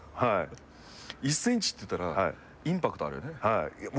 １ｃｍって言ったらインパクトあるよね。